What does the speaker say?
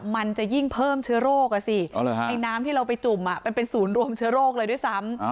มันจะยิ่งเพิ่มเชื้อโรคอ่ะสิไอ้น้ำที่เราไปจุ่มมันเป็นศูนย์รวมเชื้อโรคเลยด้วยซ้ำ